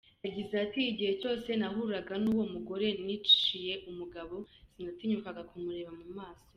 Yagize ati « igihe cyose nahuraga n’uwo mugore niciye umugabo, sinatinyukaga kumureba mu maso.